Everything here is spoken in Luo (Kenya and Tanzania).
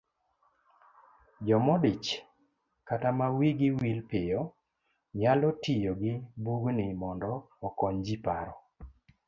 Jomodich kata ma wigi wil piyo, nyalo tiyo gi bugni mondo okonyji paro